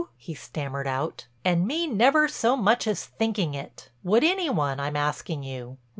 he stammered out, "and me never so much as thinking it! Would any one, I'm asking you?